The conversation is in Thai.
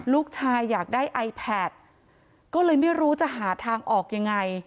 ลูกชายอยากได้ไอแพทก็เลยไม่รู้จะหาทางออกยังไง